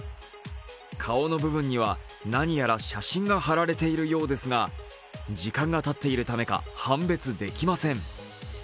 顔の部分には何やら写真が貼られているようですが、時間がたっているためか判別できません。